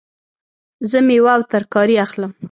زه میوه او ترکاری اخلم